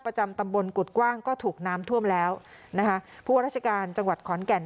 ประจำตำบลกุฎกว้างก็ถูกน้ำท่วมแล้วนะคะผู้ว่าราชการจังหวัดขอนแก่น